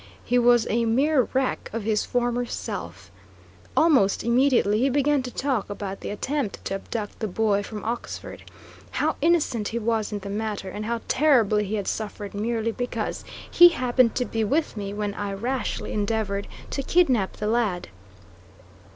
He was a mere wreck of his former self. Almost immediately he began to talk about the attempt to abduct the boy from Oxford; how innocent he was in the matter, and how terribly he had suffered merely because he happened to be with me when I rashly endeavored to kidnap the lad.